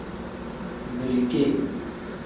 Birike.